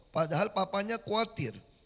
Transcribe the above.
padahal papanya khawatir